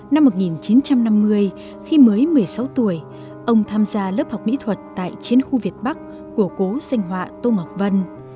năm một nghìn chín trăm năm mươi khi mới một mươi sáu tuổi ông tham gia lớp học mỹ thuật tại chiến khu việt bắc của cố sinh họa tô ngọc vân